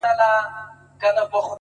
مړ به دي کړې داسې مه کوه _